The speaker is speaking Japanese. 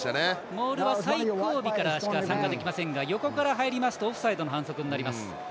モールは最後尾からしか参加できませんが横から入りますとオフサイドの反則になります。